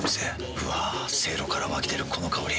うわせいろから湧き出るこの香り。